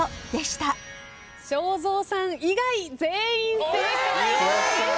正蔵さん以外全員正解です。